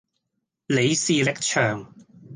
李氏力場